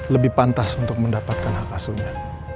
lebih pantas untuk mendapatkan hak asuhnya